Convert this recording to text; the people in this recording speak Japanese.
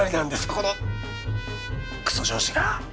このくそ上司が！